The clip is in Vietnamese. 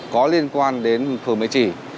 có liên quan đến phường mễ trì